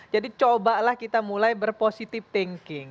jadi cobalah kita mulai berpositif thinking